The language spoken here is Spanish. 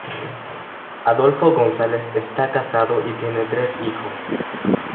Adolfo González está casado y tiene tres hijos.